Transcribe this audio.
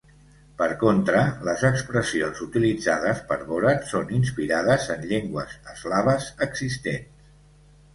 Per contra, les expressions utilitzades per Borat són inspirades en llengües eslaves existents.